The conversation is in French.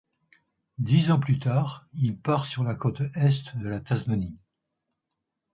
Dix ans plus tard, il part sur la côte est de la Tasmanie.